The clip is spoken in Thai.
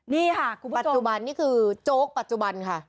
นี่ค่ะนี่คือโจ๊กปัจจุบันค่ะ